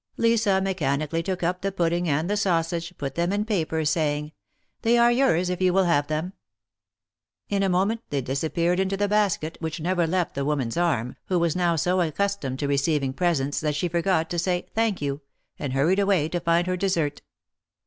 Lisa mechanically took up the pudding and the sausage, put them in paper, saying : They are yours if you will have them." In a moment they disappeared into the basket, which never left the woman's arm, who was now so accustomed to receiving presents that she forgot to say, Thank you," and hurried away to find her dessert.